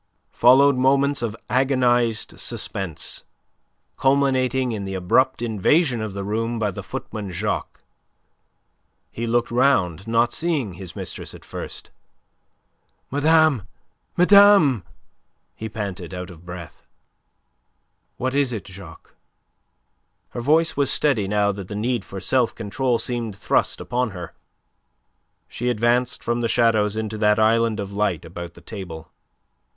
Followed moments of agonized suspense, culminating in the abrupt invasion of the room by the footman Jacques. He looked round, not seeing his mistress at first. "Madame! Madame!" he panted, out of breath. "What is it, Jacques!" Her voice was steady now that the need for self control seemed thrust upon her. She advanced from the shadows into that island of light about the table.